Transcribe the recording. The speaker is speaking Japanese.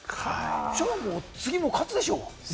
じゃあ、次も勝つでしょう。